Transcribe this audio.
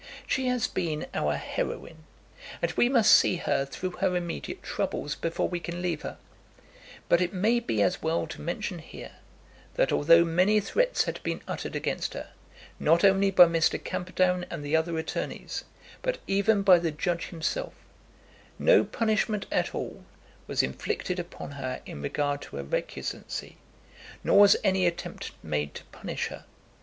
She has been our heroine, and we must see her through her immediate troubles before we can leave her; but it may be as well to mention here, that although many threats had been uttered against her, not only by Mr. Camperdown and the other attorneys, but even by the judge himself, no punishment at all was inflicted upon her in regard to her recusancy, nor was any attempt made to punish her.